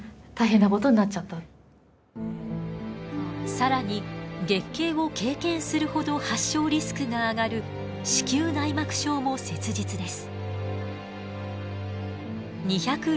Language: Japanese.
更に月経を経験するほど発症リスクが上がる子宮内膜症も切実です。